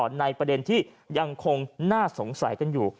ในประเด็นที่ยังคงน่าสงสัยกันอยู่